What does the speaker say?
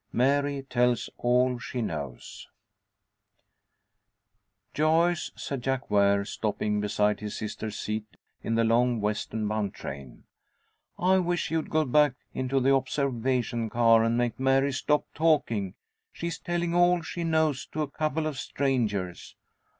MARY TELLS ALL SHE KNOWS "JOYCE," said Jack Ware, stopping beside his sister's seat in the long, Western bound train, "I wish you'd go back into the observation car, and make Mary stop talking. She's telling all she knows to a couple of strangers."